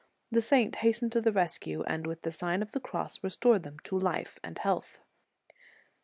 The saint hastened to the rescue, and with the Sign of the Cross restored them to life and health.